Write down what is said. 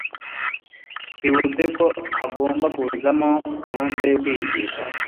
twibutse ko hazamo na gahunda yo kwigisha